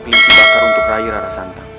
pilih tiba tiba untuk rai rara santang